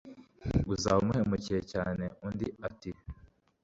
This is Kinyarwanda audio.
uzaba umuhemukiye cyane » Undi ati